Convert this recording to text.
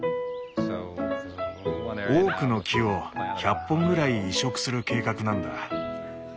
オークの木を１００本ぐらい移植する計画なんだ。